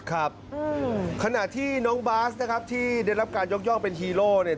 ครับขณะที่น้องบาสนะครับที่ได้รับการยกย่องเป็นฮีโร่เนี่ย